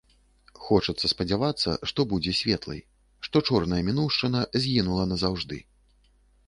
Хочацца спадзявацца, што будзе светлай, што чорная мінуўшчына згінула назаўжды.